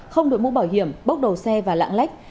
không đổi mũ bảo hiểm bốc đầu xe và lạng lách